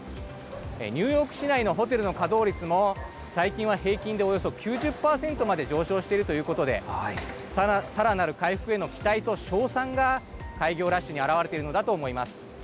ニューヨーク市内のホテルの稼働率も最近は平均でおよそ９０％まで上昇しているということでさらなる回復への期待と勝算が開業ラッシュに表れているのだと思います。